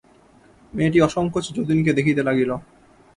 মেয়েটি অসংকোচে যতীনকে দেখিতে লাগিল।